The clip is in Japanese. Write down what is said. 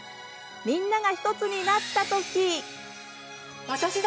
みんなが１つになったとき。